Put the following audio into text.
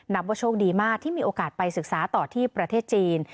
ว่าโชคดีมากที่มีโอกาสไปศึกษาต่อที่ประเทศจีน